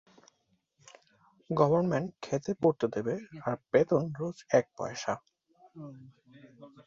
Government খেতে পরতে দেবে, আর বেতন রোজ এক পয়সা।